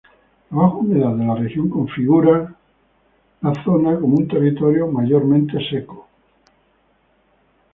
La baja humedad de la región configura la región como un territorio mayormente seco.